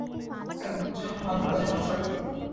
এক জন কাজের মানুষ রাখতে হবে।